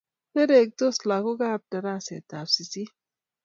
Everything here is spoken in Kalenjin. Iurerensot lagook kab tarasetab sisit